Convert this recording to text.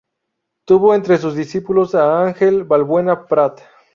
Tuvo entre sus discípulos a Ángel Valbuena Prat.